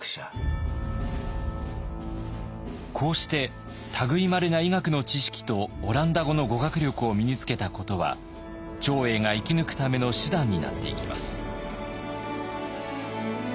こうして類いまれな医学の知識とオランダ語の語学力を身につけたことは長英が生き抜くための手段になっていきます。